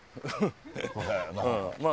まあ。